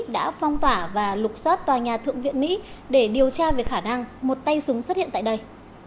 đã phong tỏa và lục xoát tòa nhà thượng viện mỹ để điều tra về khả năng một tay súng xuất hiện tại đây